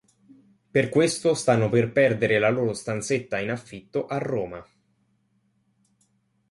Per questo stanno per perdere la loro stanzetta in affitto a Roma.